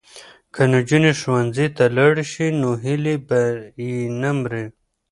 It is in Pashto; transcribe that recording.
که نجونې ښوونځي ته لاړې شي نو هیلې به یې نه مري.